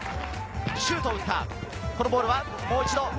シュートを打った、このボールはもう一度。